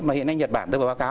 mà hiện nay nhật bản tôi báo cáo